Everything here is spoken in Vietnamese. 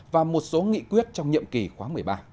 và một số nghị quyết trong nhiệm kỳ khóa một mươi ba